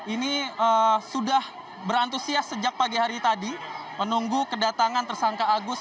ini sudah berantusias sejak pagi hari tadi menunggu kedatangan tersangka agus